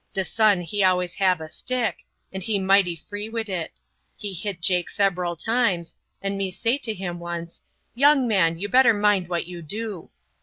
De son he always hab a stick, and he mighty free wid it. He hit Jake seberal times, and me say to him once, 'Young man, you better mind what you do.'